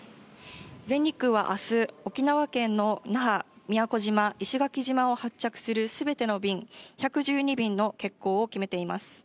全日空はあす、沖縄県の那覇、宮古島、石垣島を発着するすべての便、１１２便の欠航を決めています。